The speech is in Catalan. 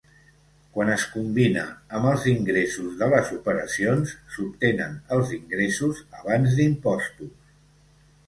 Quan es combina amb els ingressos de les operacions, s'obtenen els ingressos abans d'impostos.